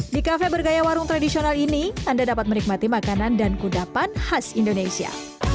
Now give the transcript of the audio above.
di kafe bergaya warung tradisional ini anda dapat menikmati makanan dan kudapan khas indonesia